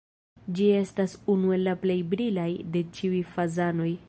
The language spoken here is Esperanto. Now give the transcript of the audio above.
Ĝi estas unu el la plej brilaj de ĉiuj fazanoj.